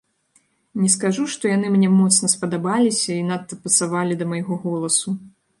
Не скажу, што яны мне моцна спадабаліся і надта пасавалі да майго голасу.